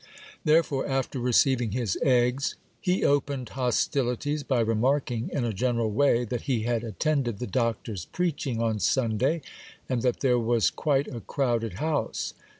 Therefore, after receiving his eggs, he opened hostilities by remarking, in a general way, that he had attended the Doctor's preaching on Sunday, and that there was quite a crowded house.